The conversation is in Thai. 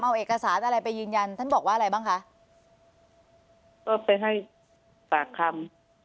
เอาเอกสารอะไรไปยืนยันท่านบอกว่าอะไรบ้างคะก็ไปให้ปากคำ